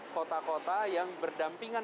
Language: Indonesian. kota kota yang berdampingan